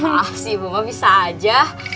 maaf sih ibu mah bisa aja